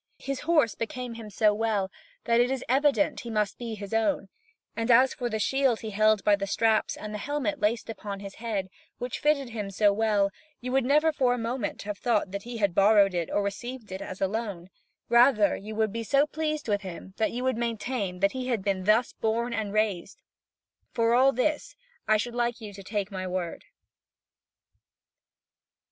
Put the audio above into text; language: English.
His horse became him so well that it is evident he must be his own, and as for the shield he held by the straps and the helmet laced upon his head, which fitted him so well, you would never for a moment have thought that he had borrowed it or received it as a loan; rather, you would be so pleased with him that you would maintain that he had been thus born and raised: for all this I should like you to take my word.